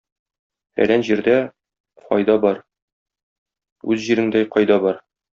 Фәлән җирдә файда бар, үз җиреңдәй кайда бар?